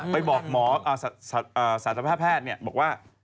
ไปบอกหมอศาสตแพทย์บอกว่า